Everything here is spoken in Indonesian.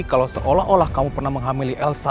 kalau seolah olah kamu pernah menghamili elsa